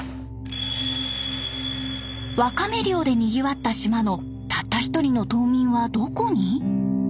ワカメ漁でにぎわった島のたった１人の島民はどこに？